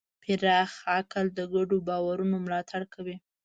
پراخ عقل د ګډو باورونو ملاتړ کوي.